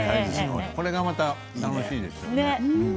これがまたいいですよね。